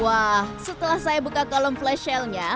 wah setelah saya buka kolom flash shellnya